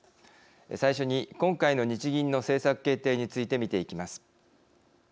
最初に、今回の日銀の政策決定について見ていきます。